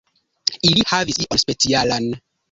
Ili havis ion specialan.